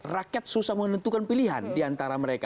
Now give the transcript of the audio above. rakyat susah menentukan pilihan diantara mereka